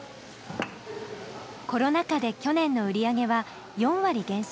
コロナ禍で去年の売り上げは４割減少。